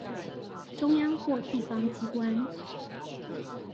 中央或地方機關